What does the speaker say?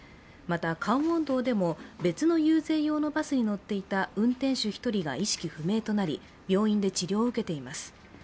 また、カンウォンドでも別の遊説用のバスに乗っていた運転手１人が意識不明となり病院で治療を受けています。